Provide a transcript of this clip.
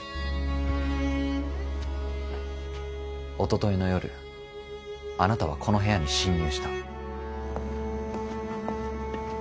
おとといの夜あなたはこの部屋に侵入した。